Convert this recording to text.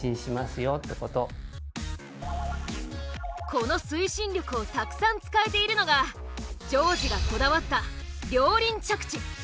この推進力をたくさん使えているのが丈司がこだわった「両輪着地」。